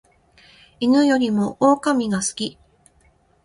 犬よりも狼が好き